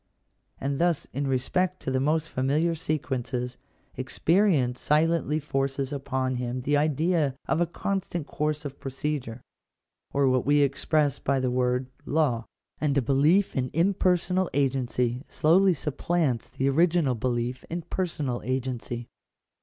And thus in respect to the most familiar sequences, experience silently forces upon him the idea of a constant course of procedure — or what we express by the word law ; and a belief in impersonal agency slowly supplants the original belief in personal agency.